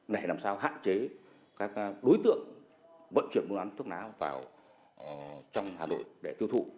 để làm sao hạn chế các đối tượng vận chuyển buôn bán thuốc lá vào trong hà nội để tiêu thụ